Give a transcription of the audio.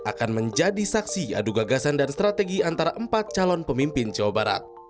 akan menjadi saksi adu gagasan dan strategi antara empat calon pemimpin jawa barat